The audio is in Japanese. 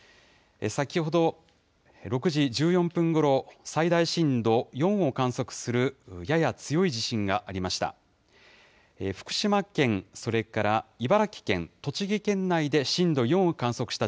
先ほど６時１４分ごろ、最大震度４を観測するやや強い地震がありました。